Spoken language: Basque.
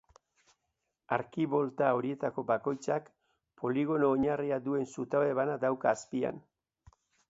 Arkibolta horietako bakoitzak poligono-oinarria duen zutabe bana dauka azpian.